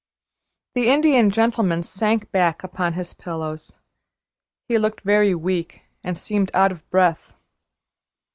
The Indian Gentleman sank back upon his pillows. He looked very weak, and seemed out of breath.